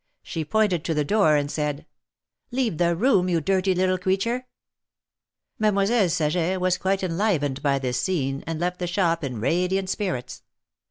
She pointed to the door and said: " Leave the room, you dirty little creature !" Mademoiselle Saget was quite enlivened by this scene, and left the shop in radiant spirits.